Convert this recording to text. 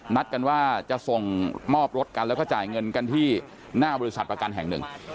นัดกันว่าจะส่งมอบรถกันแล้วก็จ่ายเงินกันที่หน้าบริษัทประกันแห่งหนึ่ง